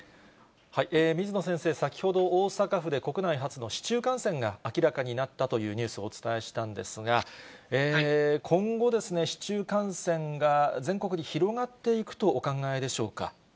水野先生、先ほど、大阪府で国内初の市中感染が明らかになったというニュースをお伝えしたんですが、今後、市中感染が全国に広がっていくとお考えでしょうか？